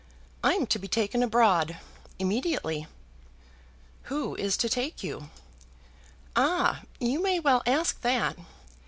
I'm to be taken abroad immediately." "Who is to take you?" "Ah, you may well ask that.